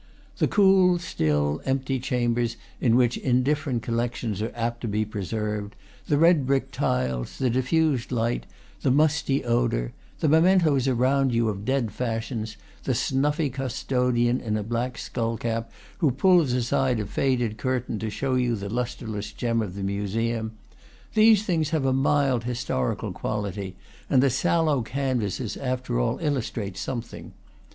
The cool, still, empty chambers in which indifferent collections are apt to be preserved, the red brick tiles, the diffused light, the musty odor, the mementos around you of dead fashions, the snuffy custodian in a black skull cap, who pulls aside a faded curtain to show you the lustreless gem of the museum, these things have a mild historical quality, and the sallow canvases after all illustrate something.